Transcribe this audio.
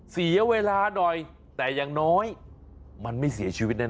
เสียเวลาหน่อยแต่อย่างน้อยมันไม่เสียชีวิตแน่